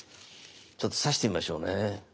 ちょっと刺してみましょうね。